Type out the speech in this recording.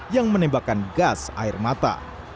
yang menembakkan gas air mata